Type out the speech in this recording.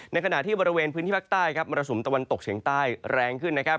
ในขณะที่บริเวณพื้นที่ภาคใต้ครับมรสุมตะวันตกเฉียงใต้แรงขึ้นนะครับ